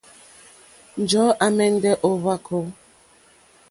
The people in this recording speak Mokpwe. Njɔ̀ɔ́ à mɛ̀ndɛ́ ó hwàkó.